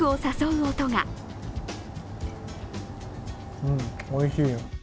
うん、おいしい。